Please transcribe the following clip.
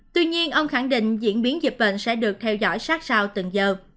tuy nhiên ông khẳng định diễn biến dịch bệnh sẽ được theo dõi sát sao từng giờ